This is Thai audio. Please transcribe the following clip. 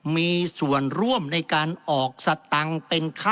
มีส่วนร่วมในการออกสตังค์เป็นค่าใช้ใจของพักการเมืองครับ